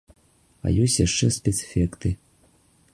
А ёсць яшчэ спецэфекты!